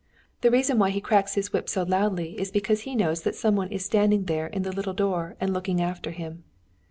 The reason why he cracks his whip so loudly is because he knows that some one is standing there in the little door and looking after him.